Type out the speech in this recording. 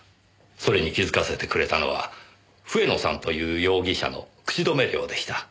それに気づかせてくれたのは笛野さんという容疑者の口止め料でした。